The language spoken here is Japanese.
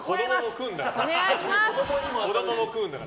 子供も食うんだから。